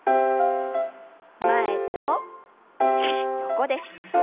前と横です。